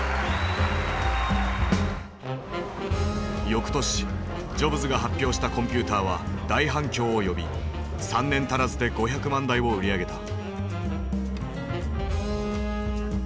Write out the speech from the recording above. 翌年ジョブズが発表したコンピューターは大反響を呼び３年足らずで５００万台を売り上げた。